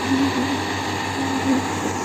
বীর্যু, বীর্যু।